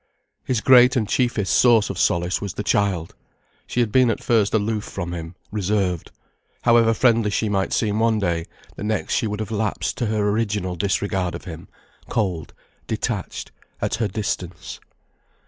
His great and chiefest source of solace was the child. She had been at first aloof from him, reserved. However friendly she might seem one day, the next she would have lapsed to her original disregard of him, cold, detached, at her distance.